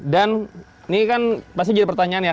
ini kan pasti jadi pertanyaan ya